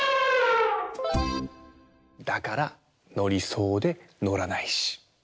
だからのりそうでのらないし。